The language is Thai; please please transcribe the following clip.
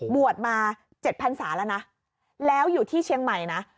บวชมา๗พันศาแล้วนะแล้วอยู่ที่เชียงใหม่นะ